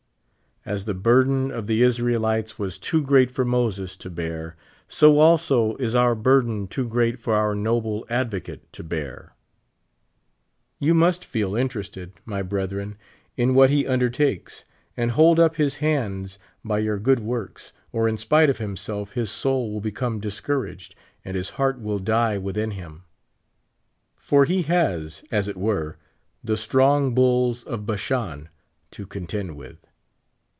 As the burden of the Israelites was too great for Moses to bear, so al 10 is our burden too great for our noble ad vocate to bear. You must feel interested, my brethren, in what he undertakers, and hold up his hands by your good works, or in spite of himself iiis soul will become discouraged and his heart will die within liim ; for he has. as it were, the strong bulls of liasliaii to contend with.